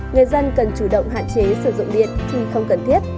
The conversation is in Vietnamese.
người dân cần chủ động hạn chế sử dụng điện khi không cần thiết